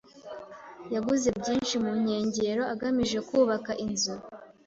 Yaguze byinshi mu nkengero agamije kubaka inzu.